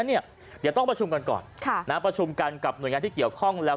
เดี๋ยวต้องประชุมก่อนกับหน่วยงานที่เกี่ยวข้อง